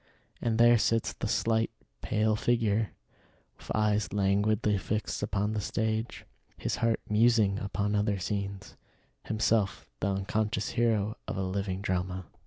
And there sits the slight, pale figure with eyes languidly fixed upon the stage; his heart musing upon other scenes; himself the unconscious hero of a living drama.